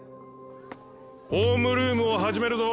ホームルームを始めるぞ。